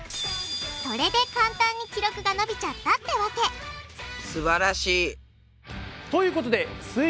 それで簡単に記録が伸びちゃったってわけすばらしい！ということです